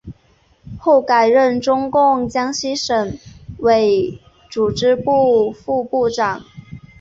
后改任中共江西省委组织部副部长。